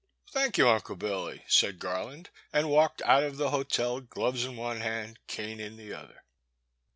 *''' Thank you, Unde Billy,'* said Garland, and walked out of the hotel, gloves in one hand, cane in the other.